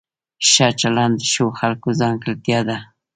ښه چلند د ښو خلکو ځانګړتیا ده.